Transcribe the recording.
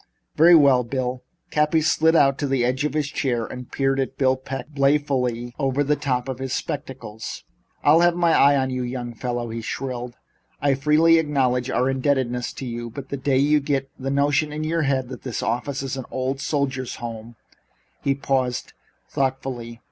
"Very well, Bill." Cappy slid out to the edge of his chair and peered at Bill Peck balefully over the top of his spectacles. "I'll have my eye on you, young feller," he shrilled. "I freely acknowledge our indebtedness to you, but the day you get the notion in your head that this office is an old soldiers' home " He paused thoughtfully.